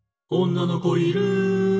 「女の子いる！」